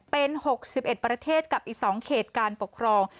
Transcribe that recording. เป็น๖๑ประเทศกับอีก๒เขตการปกครอง